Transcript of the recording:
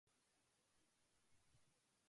とても不毛な気がした